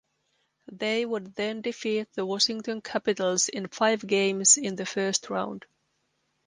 They would then defeat the Washington Capitals in five games in the First Round.